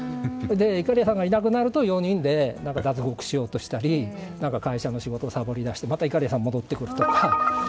いかりやさんがいなくなると４人で脱獄しようとしたり会社の仕事さぼりだしてまた、いかりやさんが戻ってくるとか。